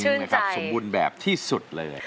ชื่นใจสมบูลแบบที่สุดเลย